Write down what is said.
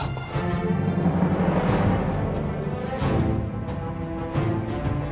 aku akan menemukan kamu